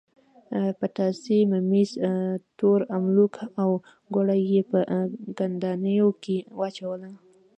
پتاسې، ممیز، تور املوک او ګوړه یې په کندانیو کې واچوله.